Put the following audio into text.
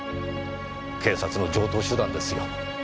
警察の常套手段ですよ。